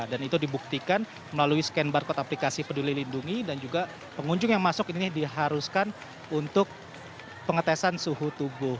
dan itu dibuktikan melalui scan barcode aplikasi peduli lindungi dan juga pengunjung yang masuk ini diharuskan untuk pengetesan suhu tubuh